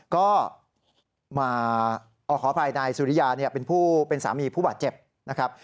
ก็มาออกขอภัยนายสุริยาเป็นสามีผู้บาดเจ็บนะครับ